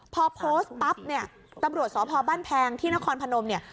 พอโพสต์ปั๊บเนี่ยตำรวจสพบ้านแพงที่นครพนมเนี่ย